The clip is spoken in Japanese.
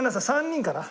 ３人かな。